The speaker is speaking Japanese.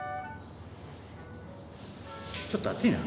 ちょっと熱いな。